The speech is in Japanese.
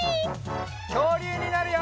きょうりゅうになるよ！